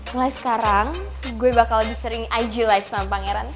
mulai sekarang gue bakal disering ig live sama pangeran